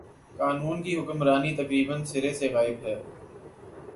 قانون کی حکمرانی تقریبا سر ے سے غائب ہے۔